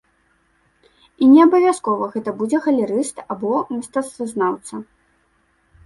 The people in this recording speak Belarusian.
І неабавязкова гэта будзе галерыст або мастацтвазнаўца.